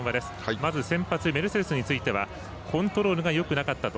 まず先発メルセデスについてはコントロールがよくなかったと。